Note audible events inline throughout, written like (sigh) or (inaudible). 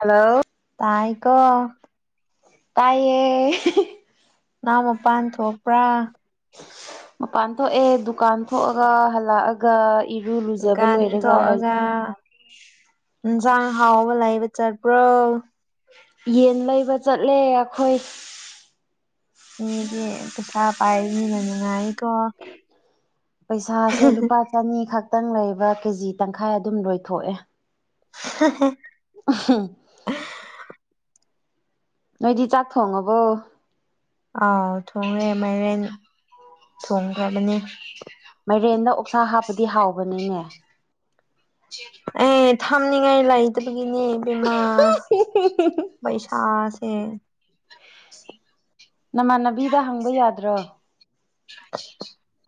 hello ꯇꯥꯏ ꯀꯣ ꯀꯥꯏꯌꯦ ꯅꯍꯎ ꯃꯄꯥꯟ ꯊꯣꯛꯄ꯭ꯔꯥ ꯃꯄꯥꯟ ꯊꯣꯛ ꯑꯦ ꯗꯨꯀꯥꯟ ꯊꯣꯛꯑꯒ ꯍꯜꯂꯛꯑꯒ ꯏꯔꯨ ꯂꯨꯖꯕ ꯂꯣꯏꯔꯒ ꯍꯧꯖꯤꯛ ꯆꯥꯡ ꯍꯥꯎꯕ ꯂꯩ ꯑꯩꯕ ꯆꯔꯔꯕ꯭ꯔꯣ ꯌꯦꯟ ꯂꯩꯕ ꯆꯠꯂꯦ ꯑꯩꯈꯣꯏ ꯃꯤꯗꯤ ꯄꯩꯁꯥ ꯄꯥꯏꯔꯤꯅꯤꯅ ꯅꯨꯡꯉꯥꯏꯀꯣ ꯄꯩꯁꯥꯁꯦ ꯂꯨꯄꯥ ꯆꯅꯤ ꯈꯛꯇꯪ ꯂꯩꯕ ꯀꯦꯖꯤ ꯇꯪꯈꯥꯏ ꯑꯗꯨꯝ ꯂꯣꯏꯊꯣꯛꯑꯦ (inaudible) (inaudible) ꯅꯣꯏꯗꯤ ꯆꯥꯛ ꯊꯣꯡꯉꯕꯣ ꯑꯥꯎ ꯊꯣꯡꯂꯦ ꯃꯥꯏꯔꯦꯟ ꯊꯣꯡꯈ꯭ꯔꯕꯅꯤ ꯃꯥꯏꯔꯦꯟꯗ ꯑꯣꯛꯁꯥ ꯍꯥꯞꯄꯗꯤ ꯍꯥꯎꯕꯅꯤꯅꯦ ꯑꯦ ꯊꯝꯅꯤꯡꯉꯥꯏ ꯂꯩꯗ ꯅꯦ ꯕꯤꯃꯥ ꯄꯩꯁꯥꯥꯁꯦ ꯅꯃꯥꯟꯅꯕꯤꯗ ꯍꯪꯕ ꯌꯥꯗ꯭ꯔꯣ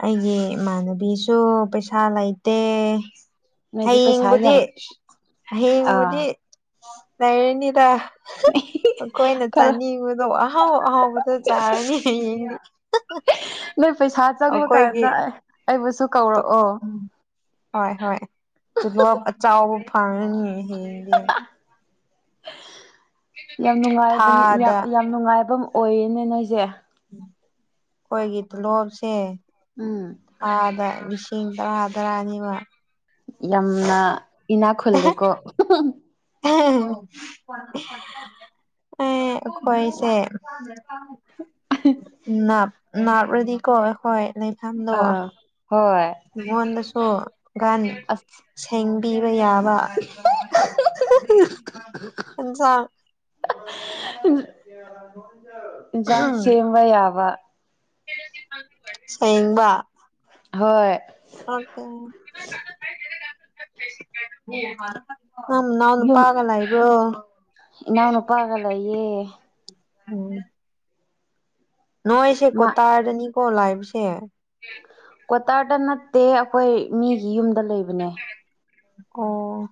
ꯑꯩꯒꯤ ꯏꯃꯥꯟꯅꯕꯤꯁꯨ ꯄꯩꯁꯥ ꯂꯩꯇꯦ ꯅꯣꯏꯗꯤ ꯄꯩꯁꯥ ꯍꯌꯦꯡꯕꯨꯗꯤ ꯌꯥꯝ ꯑꯥ ꯍꯌꯦꯡꯕꯨꯗꯤ ꯂꯩꯔꯅꯤꯗ (unintelligible) ꯑꯩꯈꯣꯏꯅ ꯈꯔ ꯆꯥꯅꯤꯡꯕꯗꯣ ꯑꯍꯥꯎ ꯑꯍꯥꯎꯕꯗ ꯆꯥꯔꯅꯤ ꯍꯌꯦꯡꯗꯤ ꯅꯣꯏ ꯄꯩꯁꯥ ꯆꯪꯕ ꯑꯩꯈꯣꯏꯒꯤ ꯀꯥꯟꯗ ꯑꯩꯕꯨꯁꯨ ꯀꯧꯔꯛꯑꯣ ꯍꯣꯏ ꯍꯣꯏ ꯇꯂꯞ ꯑꯆꯥꯎꯕ ꯐꯥꯅꯤ ꯍꯌꯦꯡ ꯌꯥꯝ ꯅꯨꯡꯉꯥꯏꯕꯅꯤ ꯌꯥꯝ ꯊꯥꯗ ꯌꯥꯝ ꯅꯨꯡꯉꯥꯏꯕ ꯑꯃ ꯑꯣꯏꯌꯦꯦꯅꯦ ꯅꯣꯏꯁꯦ ꯑꯩꯈꯣꯏꯒꯤ ꯇꯤꯂꯣꯞꯁꯦ ꯎꯝ ꯊꯥꯗ ꯂꯤꯁꯤꯡ ꯇꯔꯥ ꯇꯔꯥꯅꯤꯕ ꯌꯥꯝꯅ ꯏꯅꯥꯛ ꯈꯨꯜꯂꯦꯀꯣ ꯑꯥ ꯑꯩꯈꯣꯏꯁꯦꯞ ꯅꯥꯞꯂꯗꯤꯀꯣ ꯍꯣꯏ ꯂꯩꯐꯝꯗꯣ ꯑꯥ ꯍꯣꯏ ꯃꯤꯉꯣꯟꯗꯁꯨ ꯒꯥꯟ ꯑꯁ ꯁꯦꯡꯕꯤꯕ ꯌꯥꯕ ꯑꯖꯥꯡ ꯏꯟꯁꯥꯡ ꯁꯦꯝꯕ ꯌꯥꯕ ꯁꯕ ꯍꯣꯏ ꯑꯣꯀꯦ ꯑ ꯅꯥꯅ‌ꯎ ꯌꯨꯝ ꯄꯥꯒꯂꯩ ꯕꯔ‌ꯣꯏꯣ ꯏꯅꯥꯎꯅꯨꯄꯥꯒ ꯂꯩꯌꯦ ꯍꯥ ꯅꯣꯏꯁꯦ ꯃꯥ ꯀꯣꯇꯥꯔꯅꯤꯀꯣ ꯂꯥꯛꯕꯁꯦ ꯀ꯭ꯋꯥꯇꯥꯔꯗ ꯅꯠꯇꯦ ꯑꯩꯈꯣꯏ ꯃꯤꯒꯤ ꯌꯨꯝꯗ ꯂꯩꯕꯅꯦ ꯑꯣ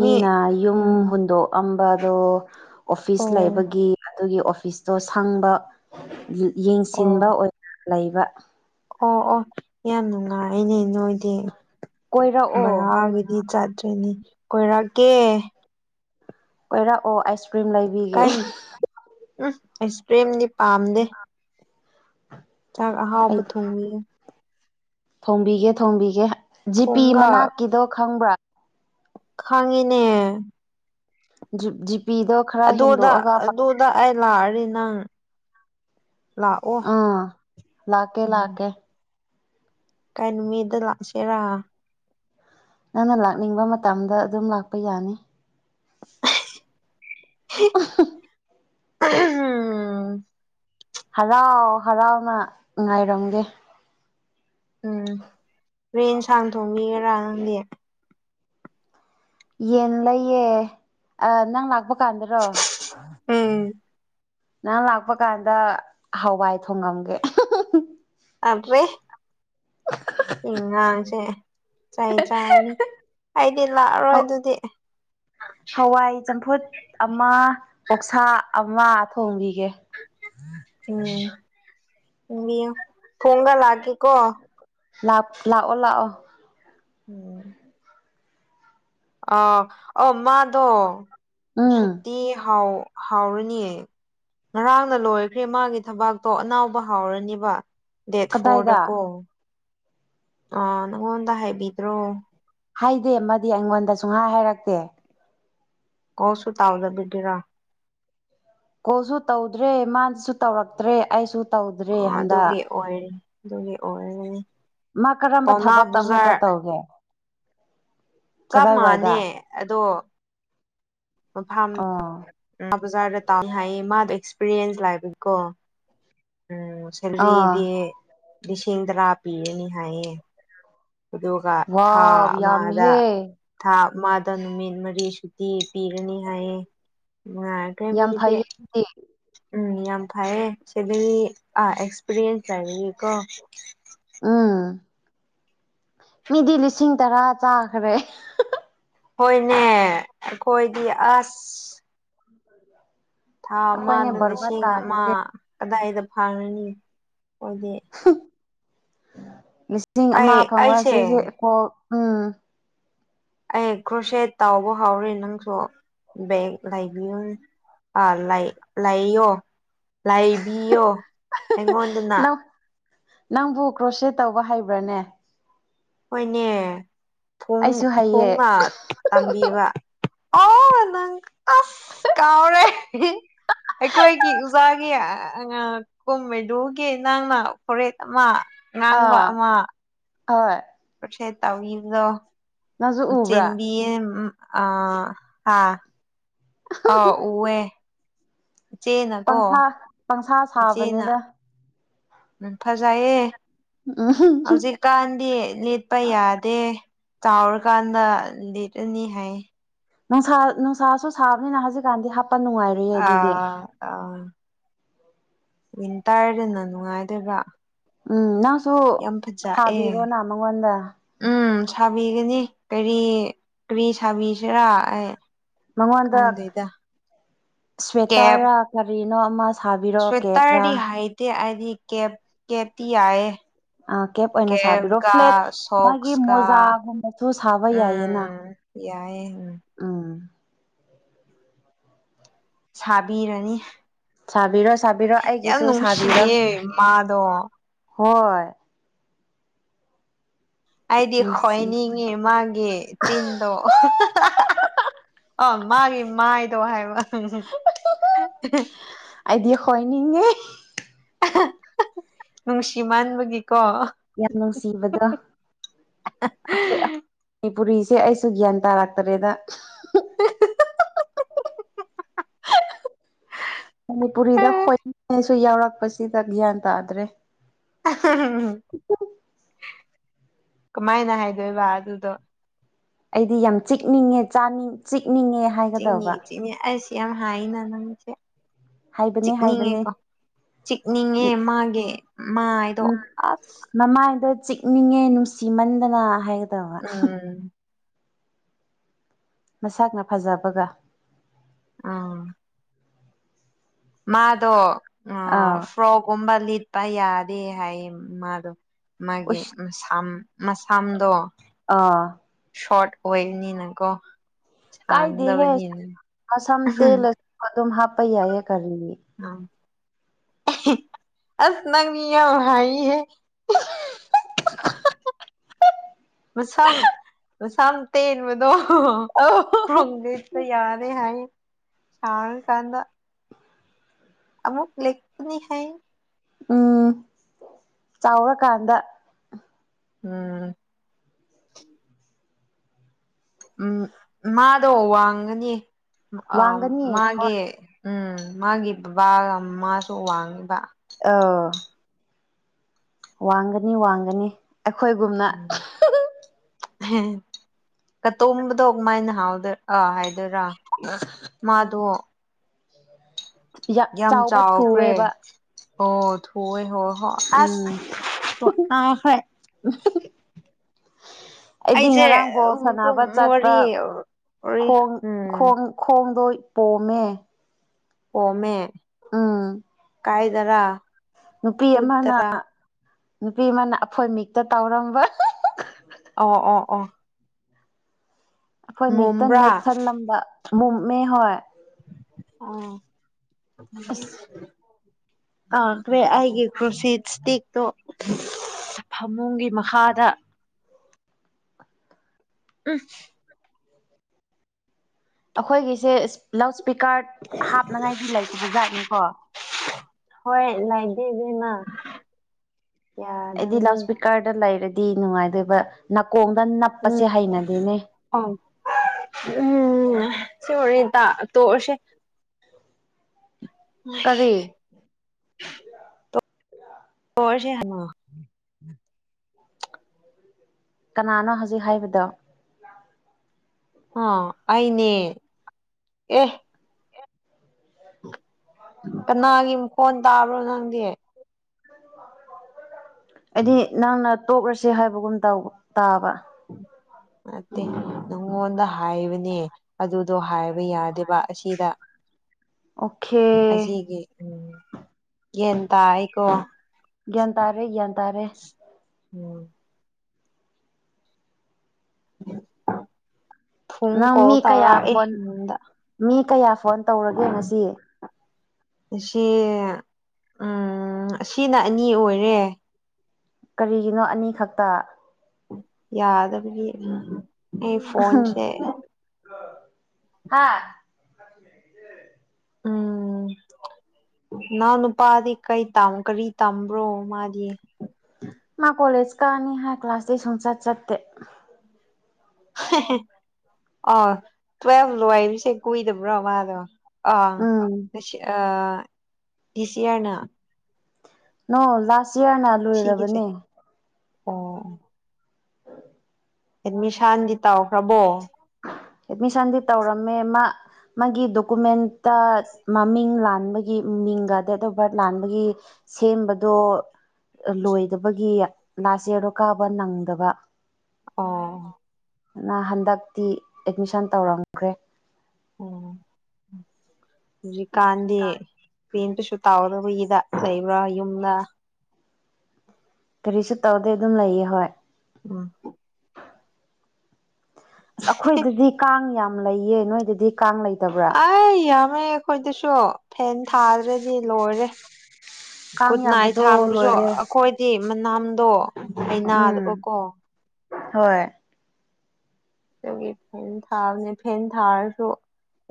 ꯃꯤ ꯌꯨꯝ ꯎꯝ ꯍꯨꯟꯗꯣꯛꯑꯝꯕꯗꯣ ꯑꯣꯐꯤꯁ ꯑꯣ ꯂꯩꯕꯒꯤ ꯑꯗꯨꯒꯤ ꯑꯣꯐꯤꯁꯇꯣ ꯁꯪꯕ ꯑꯣ ꯌꯦꯡꯁꯤꯟꯕ ꯂꯩꯕ ꯑꯣ ꯑꯣ ꯌꯥꯝ ꯅꯨꯡꯉꯥꯏꯅꯦ ꯅꯣꯏꯗꯤ ꯀꯣꯏꯔꯛꯑꯣ ꯚꯔꯥꯒꯤꯗꯤ ꯆꯠ ꯠꯇꯅꯦ ꯀꯣꯏꯔꯛꯒꯦ ꯑꯣꯏꯔꯛꯑꯣ ꯑꯥꯏꯁ ꯀ꯭ꯔꯤꯝ ꯂꯩꯕꯤꯒꯦ ꯎ ꯑꯥꯏꯁ ꯀ꯭ꯔꯤꯝꯗꯤ ꯄꯥꯝꯗꯦ ꯆ ꯑꯩ ꯍꯥꯎꯞꯕ ꯊꯣꯡ ꯊꯣꯡꯕꯤꯒꯦ ꯊꯣꯡꯕꯤꯒꯦ ꯖꯤꯄꯤ ꯃꯅꯥꯛꯀꯤꯗꯣ ꯈꯪꯕ꯭ꯔꯥ ꯈꯥꯉꯅꯦ ꯖꯤꯄꯤꯗꯣ ꯈꯔ ꯑꯗꯨꯗ ꯍꯦꯟꯗꯣꯛꯑꯒ ꯑꯗꯨꯗ ꯑꯩ ꯂꯥꯛꯑꯔꯤ ꯅꯪ ꯂꯥꯛꯑꯣ ꯑꯥ ꯂꯥꯛꯀꯦ ꯎꯝ ꯂꯥꯛꯀꯦ ꯀꯥꯏ ꯅꯨꯃꯤꯗ ꯂꯥꯛꯁꯤꯦꯔꯥ ꯅꯪꯅ ꯂꯥꯛꯅꯤꯡꯕ ꯃꯇꯝꯗ ꯑꯗꯨꯝ ꯂꯥꯛꯄ ꯌꯥꯅꯤ ꯎꯝ ꯍꯔꯥꯎ ꯍꯔꯥꯎꯅ ꯉꯥꯏꯔꯝꯒꯦ ꯎꯝ ꯔ꯭ꯔꯦꯟꯁꯥꯡ ꯊꯣꯡꯕꯤꯒꯦꯔꯥ ꯅꯪꯗꯤ ꯌꯦꯟ ꯂꯩꯌꯦ ꯑ ꯅꯪ ꯂꯥꯛꯄ ꯀꯥꯟꯗ꯭ꯔꯣ ꯎꯝ ꯅꯍꯥꯟ ꯂꯥꯛꯄ ꯀꯥꯟꯗ ꯍꯋꯥꯏ ꯊꯣꯡꯉꯝꯒꯦ ꯑꯕꯦ ꯆꯩ ꯆꯥꯔꯅꯤ ꯑꯩꯗꯤ ꯂꯥꯛꯑꯔꯣꯏ ꯑꯗꯨꯗꯤ ꯍꯋꯥꯏ ꯆꯝꯐꯨꯠ ꯑꯃ ꯑꯣꯛꯁꯥ ꯑꯃ ꯊꯣꯡꯕꯤꯒꯦ ꯎꯝ (unintelligible) ꯐꯣꯡꯒꯥ ꯂꯥꯛꯀꯦꯀꯣ ꯂꯥꯛꯑꯣ ꯂꯥꯛꯑꯣ ꯎꯝ ꯑ ꯑ ꯃꯥꯗꯣ ꯎꯝ ꯁꯨꯇꯤ ꯍꯥꯎ ꯍꯥꯎꯔꯅꯤꯌꯦ ꯉꯔꯥꯡꯅ ꯂꯣꯏꯈ꯭ꯔꯦ ꯃꯥꯒꯤ ꯊꯕꯥꯛꯇꯣ ꯑꯅꯥꯎꯕ ꯍꯥꯎꯔꯅꯤꯕ ꯗꯦꯠ ꯀꯗꯥꯏꯗ ꯐꯣꯔꯗꯀꯣ ꯑ ꯅꯉꯣꯟꯗ ꯍꯥꯏꯕꯤꯗ꯭ꯔꯣ ꯍꯥꯏꯗꯦ ꯃꯗꯤ ꯑꯩꯉꯣꯟꯗ ꯁꯨꯡꯍꯥꯏ ꯍꯥꯏꯔꯛꯇꯦ ꯀꯣꯁꯨ ꯇꯥꯎꯗꯕꯤꯗꯤꯔꯥ ꯀꯣꯜꯁꯨ ꯇꯧꯗ꯭ꯔꯦ ꯃꯥꯁꯨ ꯇꯧꯔꯛꯇ꯭ꯔꯦ ꯑꯩꯁꯨ ꯇꯧꯗ꯭ꯔꯦ ꯍꯟꯗꯛ ꯑꯗꯨꯒꯤ ꯑꯣꯏꯔꯦ ꯑꯗꯨꯒꯤ ꯑꯣꯏꯔꯦ ꯃꯥ ꯀꯔꯝꯕ ꯊꯕꯛꯇ ꯑꯃꯨꯛꯀ ꯇꯧꯒꯦ ꯆꯞ ꯀꯗꯥꯏꯋꯥꯏꯗ ꯃꯥꯟꯅꯦ ꯑꯗꯣ (unintelligible) ꯑꯣ ꯃꯥ ꯕꯖꯥꯔꯗ ꯇꯥꯎꯅꯤ ꯍꯥꯏꯌꯦ ꯃꯥꯗꯤ ꯑꯦꯛꯁꯄꯤꯔꯤꯌꯦꯟꯁ ꯂꯥꯏꯕꯒꯤꯀꯣ ꯎꯝ ꯑꯥ ꯁꯦꯂꯔꯤꯗꯤ ꯂꯤꯁꯤꯡ ꯇꯔꯥ ꯄꯤꯔꯅꯤ ꯍꯥꯏꯌꯦ ꯑꯗꯨꯒ ꯊꯥ ꯋꯥꯎ ꯑꯃꯗ ꯌꯥꯝꯍꯦ ꯊꯥ ꯑꯃꯗ ꯅꯨꯃꯤꯠ ꯃꯔꯤ ꯁꯨꯇꯤ ꯄꯤꯔꯅꯤ ꯍꯥꯏꯌꯦ ꯅꯨꯡꯉꯥꯏꯈ꯭ꯔꯦ ꯌꯥꯝ ꯃꯤꯗꯤ ꯐꯩꯌꯦ ꯑꯗꯨꯗꯤ ꯎꯝ ꯌꯥꯝ ꯐꯩꯌꯦ ꯁꯤꯗꯤ ꯑ ꯑꯦꯛꯁꯄꯤꯔꯤꯌꯦꯟꯁ ꯂꯩꯔꯤꯌꯦꯀꯣ ꯎꯝ ꯃꯤꯗꯤ ꯂꯤꯁꯤꯡ ꯇꯔꯥ ꯆꯥꯈ꯭ꯔꯦ ꯍꯣꯏꯅꯦ ꯑꯈꯣꯏꯗꯤ ꯑꯁ ꯊꯥ ꯑꯩꯈꯣꯏꯅꯦ ꯑꯃꯗ ꯕꯔꯕꯥꯔ ꯂꯤꯁꯤꯡ ꯑꯃ ꯇꯥꯔꯤꯁꯦ ꯀꯗꯥꯏꯗ ꯐꯔꯅꯤ ꯍꯣꯏꯗꯤ ꯂꯤꯁꯤꯡ ꯑꯩ ꯑꯃ ꯐꯪꯉꯔ ꯑꯩꯁꯦ (unintelligible) ꯎꯝ ꯑꯩ ꯀ꯭ꯔꯣꯁꯦꯠ ꯇꯧꯕ ꯍꯧꯔꯦ ꯅꯪꯁꯨ ꯕꯦꯡ ꯂꯩꯕꯤꯌꯨꯅꯦ ꯑ ꯂꯩ ꯂꯩꯌꯣ ꯂꯩꯕꯤꯌꯣ ꯑꯩꯉꯣꯟꯗꯅ ꯅꯪ ꯅꯪꯕꯨ ꯀ꯭ꯔꯣꯁꯦꯠ ꯇꯧꯕ ꯍꯩꯕ꯭ꯔꯅꯦ ꯍꯣꯏꯅꯦ ꯊꯣꯡ ꯑꯩꯁꯨ ꯍꯩꯌꯦ ꯊꯣꯡꯅ ꯇꯝꯕꯤꯕ ꯑꯣ (unintelligible) ꯑꯁ ꯀꯥꯎꯔꯦ ꯑꯩꯈꯣꯏꯒꯤ ꯑꯣꯖꯥꯒꯤ ꯀꯨꯝ ꯃꯩꯗꯨꯒꯤ ꯅꯪꯅ ꯐꯣꯔꯦꯠ ꯑꯃ ꯉꯥꯡꯕ ꯑꯥ ꯑꯃ ꯍꯣꯏ ꯀ꯭ꯔꯣꯁꯦꯠ ꯇꯧꯕꯤꯕꯗꯣ ꯅꯪꯁꯨ ꯎꯕ꯭ꯔꯥ ꯆꯦꯟꯕꯤꯌꯦ (unintelligible) ꯑ ꯍꯥꯥ ꯑ ꯎꯋꯦ ꯏꯆꯦꯅꯀꯣ ꯄꯪꯁꯥ ꯄꯪꯁꯥ ꯁꯥꯕꯅꯤꯗ ꯐꯖꯌꯦ ꯎꯝ ꯍꯧꯖꯤꯛꯀꯥꯟꯗꯤ ꯂꯤꯠꯄ ꯌꯥꯗꯦ ꯆꯥꯎꯔꯀꯥꯟꯗ ꯂꯤꯠꯂꯅꯤ ꯍꯥꯏ ꯅꯨꯡꯁꯥ ꯅꯨꯡꯁꯥꯁꯨ ꯁꯥꯕꯅꯤꯅ ꯍꯧꯖꯤꯛꯀꯥꯟꯗꯤ ꯍꯥꯞꯄ ꯅꯨꯡꯉꯥꯏꯔꯣꯏꯌꯦ ꯑꯗꯨꯗꯤ ꯑꯥ ꯋꯤꯟꯇ꯭ꯔꯗꯅ ꯅꯨꯡꯉꯥꯏꯗꯣꯏꯕ ꯎꯝ ꯅꯪꯁꯨ ꯌꯥꯝ ꯐꯖꯑꯦ ꯁꯥꯕꯤꯔꯣꯅ ꯃꯉꯣꯟꯗ ꯎꯝ ꯁꯥꯕꯤꯒꯅꯤ ꯀꯔꯤ ꯀꯔꯤ ꯁꯥꯕꯤꯁꯤꯔꯥ ꯑꯦ ꯃꯉꯣꯟꯗ ꯁ꯭ꯋꯦꯇꯔ ꯀꯦꯞ ꯔ ꯀꯔꯤꯅꯣ ꯑꯃ ꯁꯥꯕꯤꯔꯣ ꯁ꯭ꯋꯦꯇꯔꯗꯤ ꯀꯦꯞꯔꯥ ꯍꯩꯇꯦ ꯑꯩꯗꯤ ꯀꯦꯞꯇꯤ ꯌꯥꯏꯌꯦ ꯑꯥ ꯑꯣꯏꯅ ꯀꯦꯞ ꯁꯥꯕꯤꯔꯣ ꯀ ꯐ꯭ꯂꯦꯠ ꯃꯥꯒꯤ ꯁꯣꯛꯁ ꯀ ꯃꯣꯖꯥꯒꯨꯝꯕꯁꯨ ꯁꯥꯕ ꯎꯝ ꯌꯥꯏꯑꯦ ꯎꯝ ꯑ ꯁꯥꯕꯤꯔꯅꯤ ꯁꯥꯕꯤꯔꯣ ꯁꯥꯕꯤꯔꯣ ꯌꯥꯝ ꯑꯩꯒꯤꯁꯨ ꯁꯥꯕꯤꯔꯣ ꯅꯨꯡꯁꯤꯌꯦ ꯃꯥꯗꯣ ꯍꯣꯏ ꯑꯩꯗꯤ ꯅꯨꯡꯁꯤ ꯈꯣꯏꯅꯤꯡꯉꯦ ꯃꯥꯒꯤꯦ ꯆꯤꯟꯗꯣ ꯑ ꯃꯥꯒꯤ ꯃꯥꯏꯗꯣ ꯍꯥꯏꯕ ꯑꯩꯗꯤ ꯍꯣꯏꯅꯤꯡꯉꯤ ꯅꯨꯡꯁꯤ ꯃꯥꯟꯕꯒꯤ ꯌꯥꯝ ꯅꯨꯡꯁꯤꯕꯗ ꯑꯩꯈꯣꯏ ꯄꯨꯔꯤꯁꯦ ꯑꯩꯁꯨ ꯒ꯭ꯌꯥꯟ ꯇꯥꯔꯛꯇꯔꯦꯗ (unintelligible) ꯃꯅꯤꯄꯨꯔꯤꯗ ꯈꯣꯏꯅꯤꯡꯉꯩꯁꯨ ꯌꯥꯎꯔꯛꯄꯁꯤꯗ ꯒ꯭ꯌꯥꯟ ꯇꯥꯗ꯭ꯔꯦ (unintelligible) ꯀꯃꯥꯏꯅ ꯍꯥꯏꯗꯣꯏꯕ ꯑꯗꯨꯗꯣ ꯑꯩꯗꯤ ꯌꯥꯝ ꯆꯤꯛꯅꯤꯡꯉꯦꯅꯤꯡ ꯆꯤꯛꯅꯤꯡꯉꯦ ꯆꯤꯛꯅꯤ ꯍꯥꯏꯒꯗꯧꯕ ꯆꯤꯛꯅꯤ ꯑꯩꯁ ꯌꯥꯝ ꯍꯥ ꯅꯅꯥꯅꯃꯤꯁ ꯍꯥꯏꯕꯅꯦ ꯍꯥꯏꯕꯅꯦ ꯆꯤꯛꯅꯤꯡꯉꯦ ꯃꯥꯒꯤ ꯃꯥꯥꯏꯗꯣ ꯎꯝ ꯑꯁ ꯃꯃꯥꯏꯗꯣ ꯆꯤꯛꯅꯤꯡꯉꯦ ꯅꯨꯡꯁꯤꯃꯟꯗꯅ ꯍꯥꯏꯒꯗ ꯎꯝ ꯃꯁꯛꯅ ꯐꯖꯕꯒ ꯑꯥ ꯃꯥꯗꯣ ꯑꯥ ꯐ꯭ꯔꯣꯒꯨꯝꯕ ꯂꯤ ꯠꯄ ꯌꯥꯗꯦ ꯍꯥꯏꯌꯦ ꯃꯥꯗꯣ ꯃꯥꯒꯤ ꯎꯁ ꯃꯁꯝ ꯃꯁꯥꯝꯗꯣ ꯑꯥ ꯁꯣꯔꯠ ꯑꯣꯏꯜꯅꯤꯅꯀꯣ ꯀꯥꯏꯗꯦꯍꯦꯁꯝ ꯇꯦꯜꯂꯁꯨ ꯑꯗꯨꯝ ꯍꯥꯞꯄ ꯌꯥꯏꯌꯦ ꯀꯔꯤꯅꯤ ꯑꯁ ꯅꯪꯉ ꯌꯥ ꯍꯥꯏ ꯍ ꯃꯁꯝ ꯃꯁꯥꯝ ꯇꯦꯟꯕꯗꯣ ꯐꯣꯡꯗꯦꯄ ꯌꯥꯅꯤꯦ ꯍꯥꯏ ꯆꯥ ꯀꯗ ꯑꯃꯨꯛ ꯂꯦꯀꯅꯤ ꯍꯥꯏ ꯎꯝ ꯆꯥꯎꯔꯀꯥꯟꯗ ꯎꯝ ꯎꯝ ꯃꯥꯗꯣ ꯋꯥꯡꯉꯅꯤ ꯑ ꯋꯥꯡꯒꯅꯤ ꯃꯥꯒꯤ ꯎꯝ ꯃꯥꯒꯤ ꯕꯕꯥꯒꯃꯥꯁꯨ ꯋꯥꯡꯉꯤꯕ ꯑꯥ ꯋꯥꯡꯒꯅꯤ ꯋꯥꯡꯒꯅꯤ ꯑꯩꯈꯣꯏꯒꯨꯝꯅ ꯀ ꯇꯣꯝꯕꯗꯃꯥꯏꯅ ꯍꯥꯎꯗ ꯑ ꯍꯥꯏ ꯔ ꯃꯥꯗꯨꯣ ꯌꯥ ꯌꯥꯝ ꯆꯥꯎꯕ ꯆꯥꯎꯈ꯭ꯔꯦ ꯊꯨꯋꯦꯕ ꯑꯣ ꯊꯣꯛꯑꯦ ꯍꯣꯏ ꯍ ꯎꯝ ꯑꯥꯁ ꯈ ꯑꯩꯗꯤ ꯉꯔꯥꯡꯐꯥꯎ ꯁꯥꯟꯅꯕ ꯆꯠꯄ꯭ꯔ ꯋꯥꯔꯤ ꯋꯥꯔꯤ ꯈꯣꯡ ꯎꯝ ꯈꯣꯡ ꯈꯣꯡꯗꯣꯏ ꯄꯣꯝꯃꯦ ꯑꯣꯃꯦ ꯑꯥ ꯀꯥꯏꯗꯔꯥ ꯅꯨꯄꯤ ꯑꯃꯅ ꯐꯨꯠꯇꯔꯥ ꯅꯨꯄꯤ ꯑꯃꯅ ꯑꯐꯣꯏ ꯃꯤꯛꯇ ꯇꯧꯔꯝꯕ ꯑꯣ ꯑꯣ ꯑꯣ ꯑꯩꯈꯣꯏ ꯃꯤꯛꯇ ꯃꯨꯝꯕ꯭ꯔꯥ ꯅꯦꯠꯁꯜꯂꯝꯕ ꯃꯨꯝꯃꯦ ꯍꯣꯏ ꯑ ꯑꯥ ꯑꯩ ꯀ꯭ꯔꯣꯁꯤ ꯏꯁꯇꯛꯇꯣ ꯐꯃꯨꯡꯒꯤ ꯃꯈꯥꯗ ꯎ ꯑꯩꯈꯣꯏꯒꯤꯁꯦ ꯂꯥꯎꯠ ꯏꯁꯄꯤꯀꯔ ꯍꯥꯞꯅꯉꯥꯏꯗꯤ ꯂꯩꯇꯕ ꯖꯥꯠꯅꯤꯀꯣ ꯍꯣꯏ ꯂꯥꯏꯗꯦꯕꯅ ꯑꯩꯗꯤ ꯂꯥꯎꯠ ꯏꯁꯄꯤꯀꯔꯗ ꯂꯩꯔꯗꯤ ꯅꯨꯡꯉꯥꯏꯗꯣꯏꯕ ꯈꯣꯡꯗ ꯎꯝ ꯅꯞꯄꯁꯦ ꯍꯩꯅꯗꯦꯅꯦ ꯑꯣ ꯎꯝ ꯁꯤ ꯑꯣꯏꯔꯤ ꯇ ꯇꯣꯛꯑꯁꯦ ꯀꯔꯤ (unintelligible) ꯍꯁꯦ (unintelligible) ꯍꯥꯃ ꯎꯝ (unintelligible) ꯀꯅꯥꯅꯣ ꯍꯧꯖꯤꯛ ꯍꯥꯏꯕꯗꯣ ꯑ ꯑꯩꯅꯦ ꯑꯦ ꯀꯅꯥꯒꯤ ꯃꯈꯣꯟ ꯇꯥꯕ꯭ꯔꯣ ꯅꯪꯗꯤ ꯑꯩꯗꯤ ꯅꯪꯅ ꯇꯣꯛꯂꯁꯦ ꯍꯥꯏꯕꯒꯨꯝ ꯇ ꯇꯥꯕ ꯅꯠꯇꯦ ꯅꯪꯉꯣꯟꯗ ꯍꯥꯏꯕꯅꯦ ꯑꯗꯨꯗꯣ ꯍꯥꯏꯕ ꯌꯥꯗꯦ ꯑꯁꯤꯗ ꯑꯣꯀꯦ ꯑꯁꯤꯒꯤ ꯎꯝ ꯌꯦꯟ ꯇꯥꯑꯀꯣ ꯒ꯭ꯌꯥꯟ ꯇꯥꯔꯦ ꯭ꯌꯥꯟ ꯇꯥꯔꯦ ꯎꯝ ꯑ (unintelligible) ꯊꯨꯝ ꯅꯪ ꯀꯣꯜ ꯃꯤ ꯀꯌꯥ ꯇꯧꯔꯛꯑ ꯐꯣꯟ ꯅꯨꯡꯗ ꯃꯤ ꯀꯌꯥ ꯐꯣꯟ ꯇꯧꯔꯒꯦ ꯉꯁꯤ ꯑꯁꯤ ꯎꯝ ꯁꯤꯅ ꯑꯅꯤ ꯑꯣꯏꯔꯦ ꯀꯔꯤꯒꯤꯅꯣ ꯑꯅꯤꯈꯛꯇ ꯌꯥꯗꯕꯒꯤ ꯑꯩ ꯐꯣꯟꯁꯦ ꯍꯥꯥ (unintelligible) ꯅꯍ ꯅꯨꯄꯥꯗꯤ ꯀꯩ ꯀꯔꯤ ꯇꯝꯕ꯭ꯔꯣ ꯃꯥꯗꯤ ꯃꯥ ꯀꯣꯂꯦꯖ ꯀꯛꯅꯤ ꯍꯥꯏ ꯀ꯭ꯂꯥꯁꯇꯤ ꯁꯨꯝ ꯆꯠ ꯆꯠꯇꯦ ꯑꯥ ꯇꯨꯋꯦꯜꯐ ꯂꯣꯏꯔꯤꯁꯦ ꯀꯨꯏꯗꯕ꯭ꯔꯣ ꯃꯥꯗꯣ ꯑꯥ ꯎꯝ ꯑ ꯁꯤꯌꯥꯔꯅ ꯅꯣ ꯂꯥꯁ ꯏꯌꯥꯔꯅ ꯁꯤꯒꯤꯁꯦ ꯂꯣꯏꯔꯕꯅꯦ ꯑꯣ ꯑꯦꯗꯃꯤꯁꯟꯗꯤ ꯇꯥꯎꯈ꯭ꯔꯕꯣ ꯑꯦꯠꯃꯤꯁꯟꯗꯤ ꯇꯧꯔꯝꯃꯦ ꯃꯥ ꯃꯥꯒꯤ ꯗꯣꯀꯨꯃꯦꯟꯇ ꯃꯃꯤꯡ ꯂꯥꯟꯕꯒꯤ ꯃꯤꯡꯒ ꯗꯦꯠ ꯑꯣꯐ ꯕꯥꯔꯠ ꯂꯥꯟꯕꯒꯤ ꯁꯦꯝꯕꯗꯣ ꯂꯣꯏꯗꯕꯒꯤ ꯂꯥꯁ ꯏꯌꯥꯔꯗꯣ ꯀꯥꯕ ꯅꯪꯗꯕ ꯑꯣ ꯅ ꯍꯟꯗꯛꯇꯤ ꯑꯦꯠꯃꯤꯁꯟ ꯇꯧꯔꯝꯈ꯭ꯔꯦ ꯎꯝ ꯍꯨꯖꯤꯀꯥꯟꯗꯤ ꯄꯦꯟꯗꯨꯁꯨ ꯇꯥꯎꯗꯕꯒꯤꯗ ꯂꯩꯕ꯭ꯔꯥ ꯌꯨꯝꯗ ꯀꯔꯤꯁꯨ ꯇꯧꯗꯩ ꯑꯗꯨꯝ ꯂꯩꯌꯦ ꯍꯣꯏ ꯋꯥ (inaudible) ꯑꯁ ꯑꯩꯈꯣꯏꯗꯗꯤ ꯀꯥꯡ ꯌꯥꯝ ꯂꯩꯌꯦ ꯅꯣꯏꯗꯗꯤ ꯀꯥꯡ ꯂꯩ ꯑꯩ ꯌꯥꯝꯃꯦ ꯑꯩꯈꯣꯏꯗꯁꯨ ꯐꯦꯟ ꯊꯥꯗ꯭ꯔꯗꯤ ꯂꯣꯏꯔꯦ ꯀꯨꯠ ꯀꯥꯡ ꯅꯥꯏ ꯌꯥꯝꯕꯗꯣ ꯊꯥꯝ꯭ꯔꯁꯨ ꯂꯣꯏꯔꯦ ꯑꯩꯈꯣꯏꯗꯤ ꯃꯅꯥꯝꯗꯣ ꯑꯩꯅ ꯗꯕ ꯎꯝ ꯀꯣ ꯍꯣꯏ ꯑꯗꯨꯒꯤ ꯐꯦꯟ ꯊꯥꯕꯅꯦ ꯐꯦꯟ ꯊꯥꯔꯁꯨ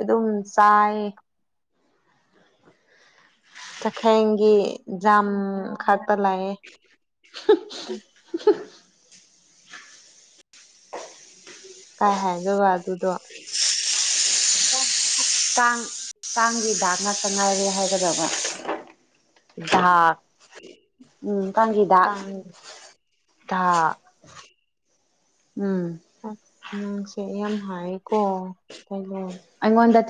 ꯑꯗꯨꯝ ꯆꯥꯏ ꯆꯈꯦꯡꯒꯤ ꯖꯥꯝ ꯈꯥꯛꯇ ꯂꯥꯛꯑꯦ (inaudible) ꯀꯥꯏ ꯍꯥꯏꯗꯕ ꯑꯗꯨꯗꯣ ꯇꯥꯡ ꯇꯥꯡꯒꯤ ꯗꯥꯛ ꯉꯥꯛꯇ ꯉꯥꯏꯔꯦ ꯍꯥꯏꯒꯗꯕ ꯥ ꯎꯝ ꯀꯪꯒꯤꯗ ꯇ ꯎꯝ ꯅꯪꯁꯦ ꯌꯥꯝ ꯍꯥꯏꯀꯣ ꯀꯩꯅꯣ ꯑꯪꯣꯟꯟ ꯑꯤꯁ